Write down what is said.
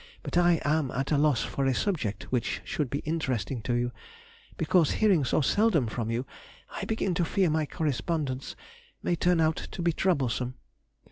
But I am at a loss for a subject which should be interesting to you, because, hearing so seldom from you, I begin to fear my correspondence may turn out to be troublesome.